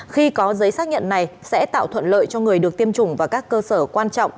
khi có giấy xác nhận này sẽ tạo thuận lợi cho người được tiêm chủng và các cơ sở quan trọng